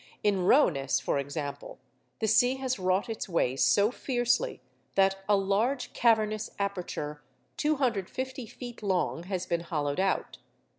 In Roeness, for example, the sea has wrought its way so fiercely that a large cavernous aperture 250 feet long has been hollowed out.